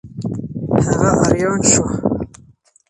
هغه آریان شو.